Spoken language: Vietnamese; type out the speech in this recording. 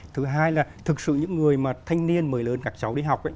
thứ hai là thực sự những người mà thanh niên mời lớn các cháu đi học